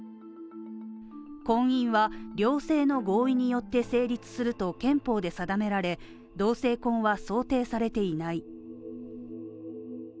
婚姻は両性の合意によって成立すると憲法で定められ、同性婚は想定されていない。